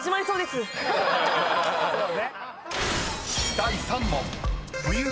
［第３問］